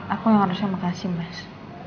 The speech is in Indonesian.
aku yang harus yang makasih mas